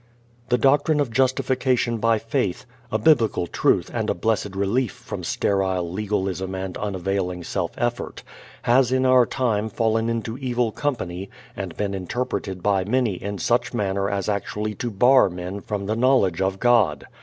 The doctrine of justification by faith a Biblical truth, and a blessed relief from sterile legalism and unavailing self effort has in our time fallen into evil company and been interpreted by many in such manner as actually to bar men from the knowledge of God.